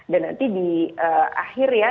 nanti di akhir ya